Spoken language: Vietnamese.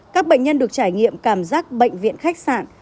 các bệnh nhân được trải nghiệm cảm giác bệnh viện khách sạn